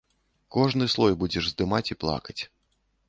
Кожны слой будзеш здымаць і плакаць.